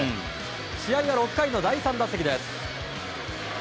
試合は６回の第３打席。